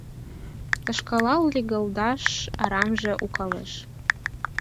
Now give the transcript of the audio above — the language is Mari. Тошкалал легылдалаш арамаже укалеш.